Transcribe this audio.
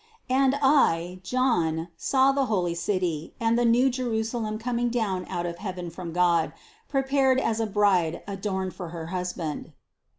249. "And I, John, saw the holy city and the new Jerusalem coming down out of heaven from God, pre pared as a bride adorned for her husband."